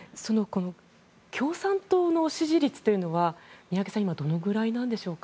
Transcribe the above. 共産党の支持率は宮家さん、今どのくらいなのでしょうか。